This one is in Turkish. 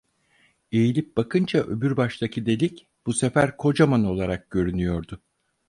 Eğilip bakınca öbür baştaki delik, bu sefer kocaman olarak görünüyordu.